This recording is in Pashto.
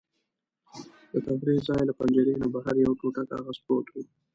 د تفریح ځای له پنجرې نه بهر یو ټوټه کاغذ پروت و.